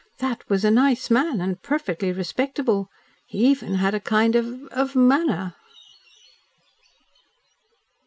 "That was a nice man, and perfectly respectable. He even had a kind of of manner."